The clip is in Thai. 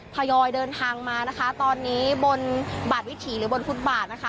ทยอยเดินทางมานะคะตอนนี้บนบาดวิถีหรือบนฟุตบาทนะคะ